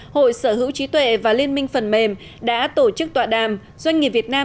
hội sở hữu trí tuệ và liên minh phần mềm đã tổ chức tọa đàm doanh nghiệp việt nam